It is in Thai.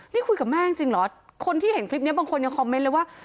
นี่คุยกับแม่จริงเหรอคนที่เห็นคลิปนี้บางคนยังคอมเมนต์เลยว่า